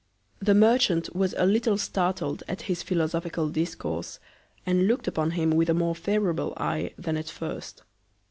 The Merchant was a little startled at his philosophical Discourse, and look'd upon him with a more favourable Eye than at first.